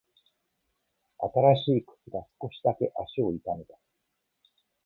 新しい靴が少しだけ足を痛めた。